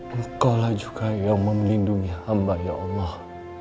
engkau lah juga yang memelindungi amba ya allah